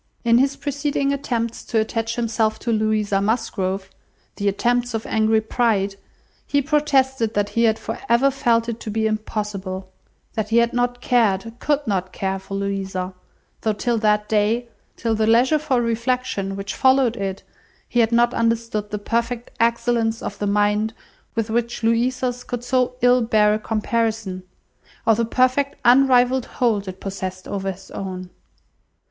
In his preceding attempts to attach himself to Louisa Musgrove (the attempts of angry pride), he protested that he had for ever felt it to be impossible; that he had not cared, could not care, for Louisa; though till that day, till the leisure for reflection which followed it, he had not understood the perfect excellence of the mind with which Louisa's could so ill bear a comparison, or the perfect unrivalled hold it possessed over his own.